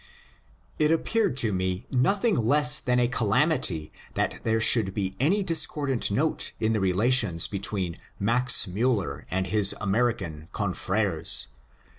It appeared to me nothing less than a calamity that there should be any discordant note in the relations between Max Miiller and his American confrerei.